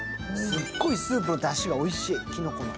すっごいスープのだしがおいしい、きのこの。